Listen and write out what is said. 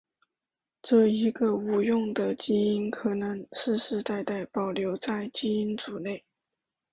这一个无用的基因可能世世代代保留在基因组内。